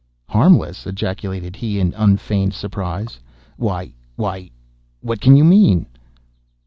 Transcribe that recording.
"Harmless!" ejaculated he, in unfeigned surprise, "why—why, what can you mean?"